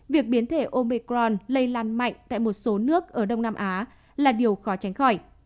việc biến thể omecron lây lan mạnh tại một số nước ở đông nam á là điều khó tránh khỏi